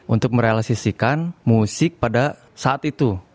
untuk merealisasikan musik pada saat itu